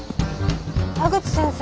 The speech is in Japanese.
田口先生。